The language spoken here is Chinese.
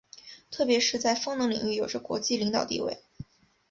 特别是在风能领域有着国际领导地位。